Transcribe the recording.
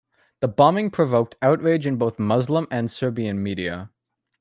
The bombing provoked outrage in both Muslim and Serbian media.